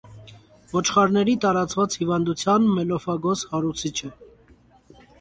Ոչխարների տարածված հիվանդության (մելոֆագոզ) հարուցիչ է։